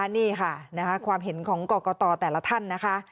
นี่ค่ะความเห็นของกรกตแต่ละท่านนะคะ